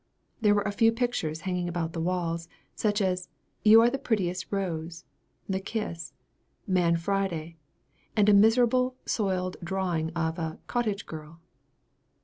There were a few pictures hanging about the walls, such as "You are the prettiest Rose," "The Kiss," "Man Friday," and a miserable, soiled drawing of a "Cottage Girl."